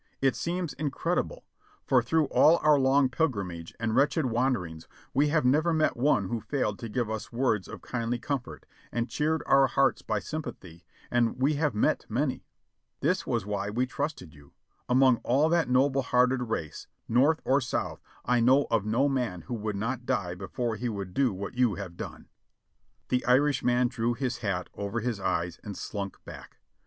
It seems incredible ; for through all our long pilgrimage and wretched wanderings we have never met one who failed to give us words of kindly comfort, and cheered our hearts by sympathy, and we have met many. This was why we trusted you. Among all that noble hearted race. North or South, I know of no man who would not die before he would do what you have done!" The Irishman drew his hat over his eyes and slunk back.